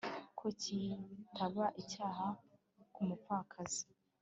ko kitaba icyaha ku mupfakazi